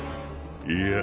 いや！